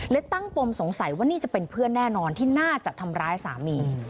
ตั้งปมสงสัยว่านี่จะเป็นเพื่อนแน่นอนที่น่าจะทำร้ายสามี